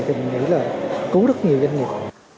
thì mình nghĩ là cứu rất nhiều doanh nghiệp